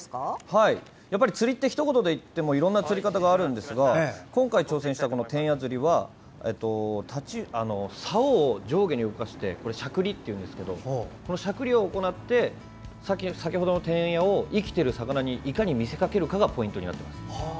釣りってひと言で言ってもいろいろな釣り方があるんですが今回挑戦したテンヤ釣りはさおを上下に動かしてしゃくりっていうんですがしゃくりを行って先ほどのテンヤを生きている魚にいかに見せかけるかがポイントになってきます。